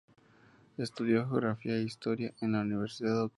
Estudió Geografía e Historia en la Universidad Autónoma de Barcelona.